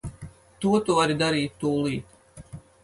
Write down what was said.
To tu vari darīt tūlīt.